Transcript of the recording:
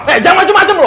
eh jangan macem macem lu